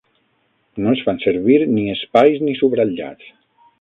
No es fan servir ni espais ni subratllats.